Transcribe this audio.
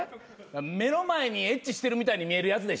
目の前にエッチしてるみたいに見えるやつでしょ。